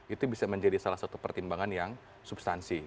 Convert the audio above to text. itu bisa menjadi salah satu pertimbangan yang substansi